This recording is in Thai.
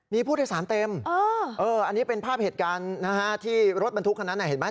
มีผู้โดยสารเต็มอันนี้เป็นภาพเหตุการณ์นะฮะที่รถบรรทุกคันนั้นเห็นไหม